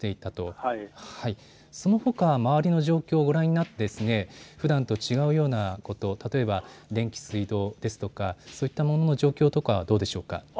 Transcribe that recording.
そのほか周りの状況をご覧になってふだんと違うようなこと、例えば電気、水道ですとかそういったものの状況とかはどうでしょうか。